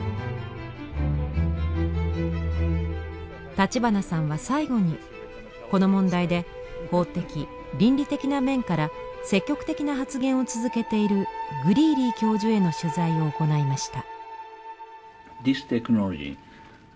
立花さんは最後にこの問題で法的・倫理的な面から積極的な発言を続けているグリーリー教授への取材を行いました。